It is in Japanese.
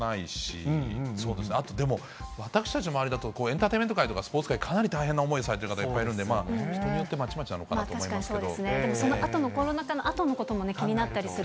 あと、でも私たちの周りだと、エンターテインメント界とかスポーツ界、かなり大変な思いされている方、いっぱいいるので、まあ、人によってまちまちなのかなと思いますけど。